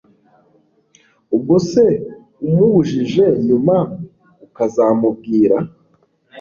ubwose umubujije nyuma ukazamubwira